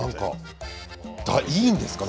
いいんですか？